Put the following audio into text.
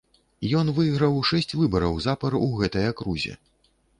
Ён выйграў шэсць выбараў запар у гэтай акрузе.